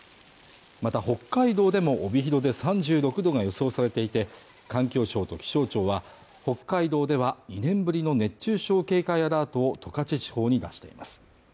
また北海道でも帯広で３６度が予想されていて環境省と気象庁は北海道では２年ぶりの熱中症警戒アラートを十勝地方に出しています